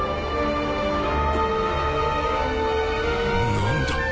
何だ？